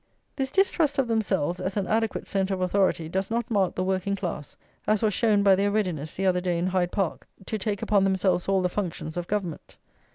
This distrust of themselves as an adequate centre of authority does not mark the working class, as was shown by their readiness the other day in Hyde Park to take upon themselves all the functions of government.